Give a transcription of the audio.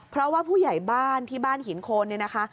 เพราะว่าผู้ใหญ่บ้านที่บ้านหินโคนเนี่ยนะคะ